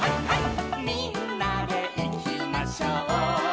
「みんなでいきましょう」